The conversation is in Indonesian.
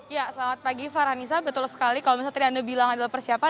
ya selamat pagi farhanisa betul sekali kalau misalnya tadi anda bilang adalah persiapan